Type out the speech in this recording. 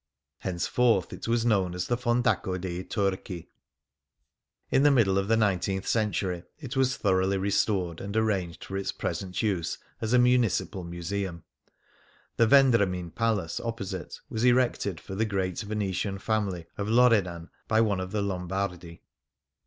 Henceforth it wsis known as the " Fondaco dei Turchi." In the middle of the nineteenth century it was thoroughly restored, and arranged for its present use as a Municipal Museum. The Vendramin Palace opposite was erected for the great Venetian family of Loredan by one of the Lombardi.